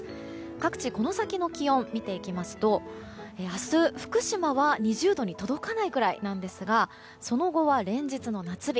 各地この先の気温見ていきますと明日、福島は２０度に届かないくらいなんですがその後は連日の夏日。